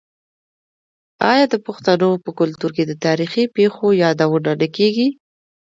آیا د پښتنو په کلتور کې د تاریخي پیښو یادونه نه کیږي؟